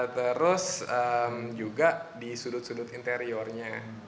terus juga di sudut sudut interiornya